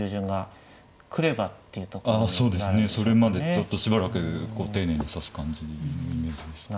それまでちょっとしばらくこう丁寧に指す感じのイメージでした。